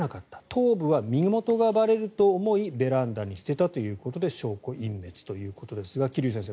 頭部は身元がばれると思いベランダに捨てたということで証拠隠滅ということですが桐生先生